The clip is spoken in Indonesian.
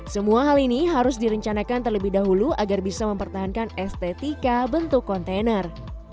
semua hal ini harus direncanakan terlebih dahulu agar bisa mempertahankan estetika bentuk kontainer